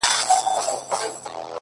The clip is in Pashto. ستړى په گډا سومه ،چي، ستا سومه،